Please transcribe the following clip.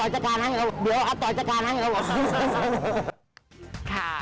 จุดต่อเอ่อ